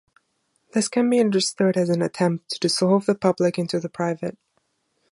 This can be understood as an attempt to dissolve the public into the private.